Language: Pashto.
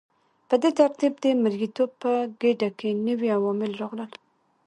په دې ترتیب د مرئیتوب په ګیډه کې نوي عوامل راغلل.